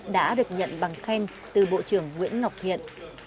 đã được nhận bằng khen từ bộ trưởng nguyễn ngọc thiện